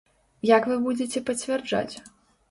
Як вы будзеце пацвярджаць?